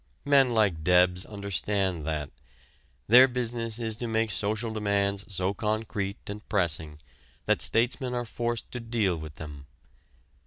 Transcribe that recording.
Men like Debs understand that. Their business is to make social demands so concrete and pressing that statesmen are forced to deal with them.